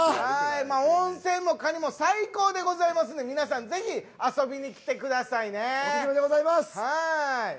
温泉もかにも最高でございますので皆さんぜひ遊びに来てくださいね。